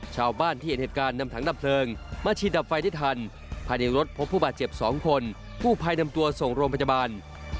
ชาวบ้านที่เห็นเหตุการณ์นำถังดับเพลิงมาฉีดดับไฟได้ทันภายในรถพบผู้บาดเจ็บ๒คนกู้ภัยนำตัวส่งโรงพยาบาล